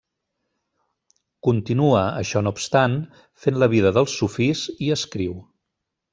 Continua, això no obstant, fent la vida dels sufís i escriu.